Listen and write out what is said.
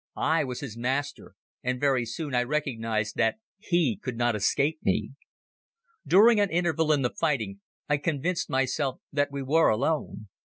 I was his master and very soon I recognized that he could not escape me. During an interval in the fighting I convinced myself that we were alone.